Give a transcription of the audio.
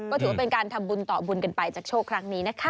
ก็ถือว่าเป็นการทำบุญต่อบุญกันไปจากโชคครั้งนี้นะคะ